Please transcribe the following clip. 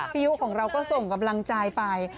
ยุของเราก็ส่งกำลังใจไป